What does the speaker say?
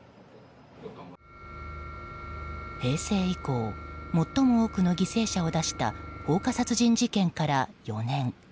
平成以降最も多くの犠牲者を出した放火殺人事件から４年。